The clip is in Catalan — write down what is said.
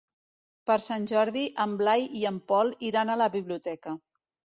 Per Sant Jordi en Blai i en Pol iran a la biblioteca.